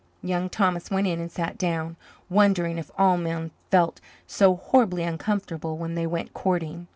Young Thomas went in and sat down, wondering if all men felt so horribly uncomfortable when they went courting.